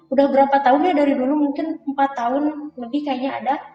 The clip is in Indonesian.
udah berapa tahun ya dari dulu mungkin empat tahun lebih kayaknya ada